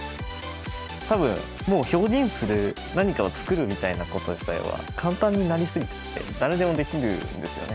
多分もう表現する何かを作るみたいなこと自体は簡単になり過ぎちゃって誰でもできるんですよね